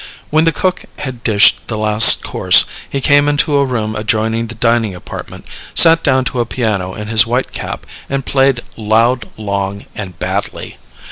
When the cook had dished the last course, he came into a room adjoining the dining apartment, sat down to a piano in his white cap, and played loud, long, and badly.